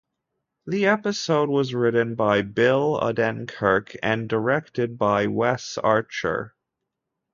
The episode was written by Bill Odenkirk and directed by Wes Archer.